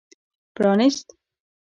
پرانېست.